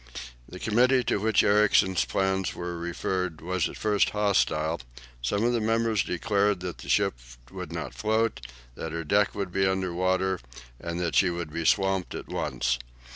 The committee to which Ericsson's plans were referred was at first hostile; some of the members declared that the ship would not float, that her deck would be under water, and she would be swamped at once.